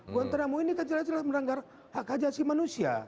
guantanamo ini kan jelas jelas menanggar hak ajasi manusia